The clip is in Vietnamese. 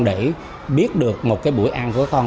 để biết được một cái buổi ăn của con